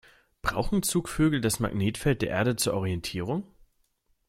Brauchen Zugvögel das Magnetfeld der Erde zur Orientierung?